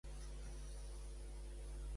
Què desencadena la foto?